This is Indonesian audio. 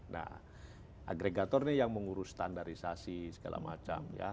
nah agregator ini yang mengurus standarisasi segala macam ya